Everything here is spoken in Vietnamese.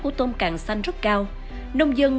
của tôm cằn xanh rất cao nông dân